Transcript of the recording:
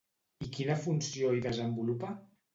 I quina funció hi desenvolupa?